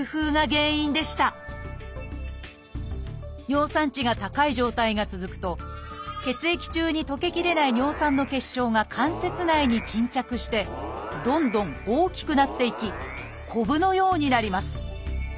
尿酸値が高い状態が続くと血液中に溶けきれない尿酸の結晶が関節内に沈着してどんどん大きくなっていきこぶのようになります。